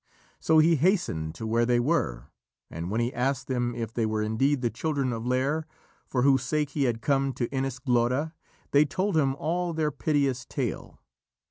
So he hastened to where they were, and when he asked them if they were indeed the children of Lîr, for whose sake he had come to Inis Glora, they told him all their piteous tale.